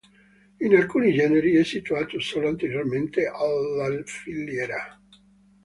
In alcuni generi è situato solo anteriormente alla filiera.